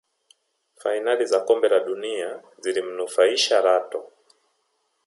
fainali za kombe la dunia zilimunufaisha Lato